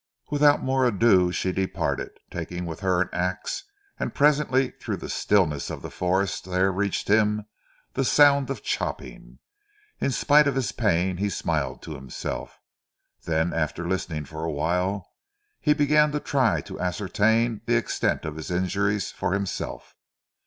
Without more ado she departed, taking with her an ax, and presently through the stillness of the forest there reached him the sound of chopping. In spite of his pain he smiled to himself, then after listening for awhile, he began to try and ascertain the extent of his injuries for himself.